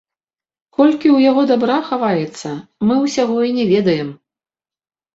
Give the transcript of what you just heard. Колькі ў яго дабра хаваецца, мы ўсяго і не ведаем.